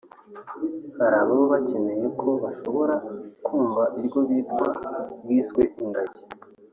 hari ababa bakeka ko bashobora kumva iryo bitwa ryiswe ingagi